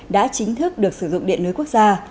đã chính thức được sử dụng điện lưới quốc gia